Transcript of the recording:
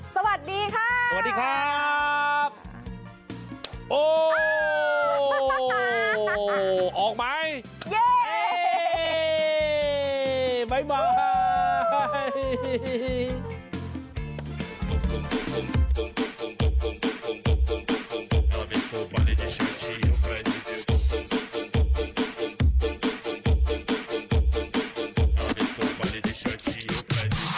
สวัสดีค่ะสวัสดีครับสวัสดีครับ